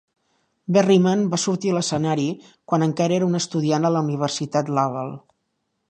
Berryman va sortir a l'escenari quan encara era un estudiant a la Universitat Laval.